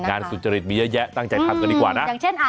งานสุจริตมีเยอะตั้งใจทำกันดีกว่านะ